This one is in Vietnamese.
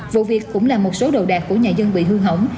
vụ việc cũng làm một số đồ đạc của nhà dân bị hư hỏng